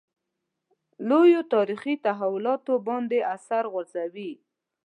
لویو تاریخي تحولاتو باندې اثر غورځوي.